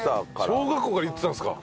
小学校から言ってたんですか？